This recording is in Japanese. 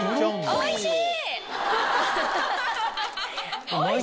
おいしい？